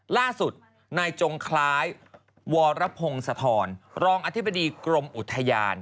ล่าสุดนายจงคล้ายวรพงศธรรองอธิบดีกรมอุทยาน